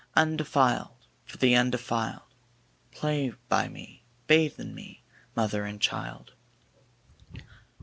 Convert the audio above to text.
Undefiled, for the undefiled; Play by me, bathe in me, mother and child.